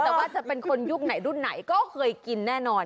แต่ว่าจะเป็นคนยุคไหนรุ่นไหนก็เคยกินแน่นอน